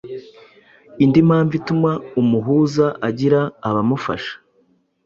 Indi mpamvu ituma umuhuza agira abamufasha,